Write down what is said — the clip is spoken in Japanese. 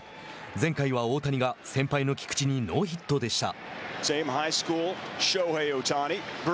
前回は大谷が先輩の菊池にノーヒットでした。